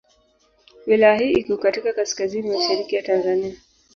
Wilaya hii iko katika kaskazini mashariki ya Tanzania.